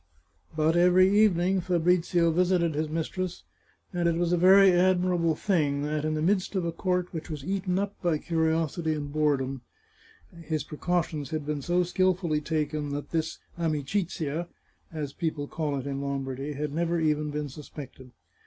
But every evening Fabrizio visited his mistress, and it was a very admirable thing that, in the midst of a court which was eaten up by curiosity and boredom, his precautions had been so skilfully taken that this amicizia, as people call it in Lombardy, had never even been suspected.